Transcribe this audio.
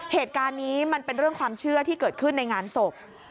เหตุการณ์นี้มันเป็นเรื่องความเชื่อที่เกิดขึ้นในงานศพ